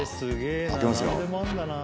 開けますよ。